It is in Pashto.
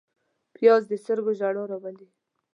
پیاز د سترګو ژړا راولي